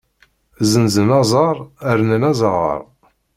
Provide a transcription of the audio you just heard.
Zenzen aẓar rnan azaɣaṛ.